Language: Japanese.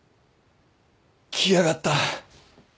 来やがった。